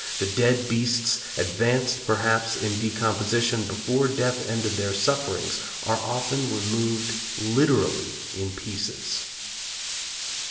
the dead beasts, advanced, perhaps, in decomposition before death ended their sufferings, are often removed literally in pieces.'